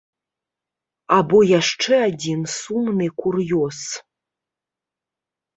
Або яшчэ адзін сумны кур'ёз.